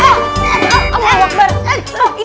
itu pade mpok